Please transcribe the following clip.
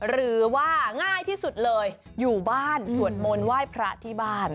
หรือว่าง่ายที่สุดเลยอยู่บ้านสวดมนต์ไหว้พระที่บ้าน